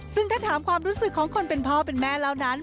ซึ่งถ้าถามความรู้สึกของคนเป็นพ่อเป็นแม่เล่านั้น